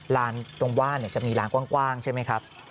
ตรงว่านจะมีลานกว้างใช่ไหมครับ